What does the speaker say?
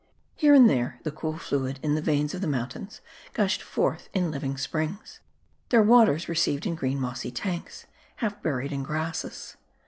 Here and there, the cool fluid in the veins of the mount ains gushed forth in living springs ; their waters received in green mossy tanks, half buried in grasses.